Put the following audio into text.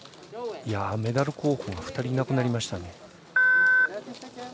メダル候補が２人いなくなりましたね。